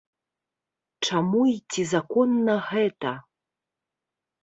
Чаму і ці законна гэта?